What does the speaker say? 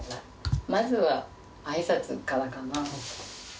まずは、あいさつからかな。